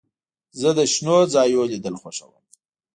زه د شنو ځایونو لیدل خوښوم.